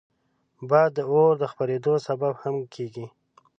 باد د اور د خپرېدو سبب هم کېږي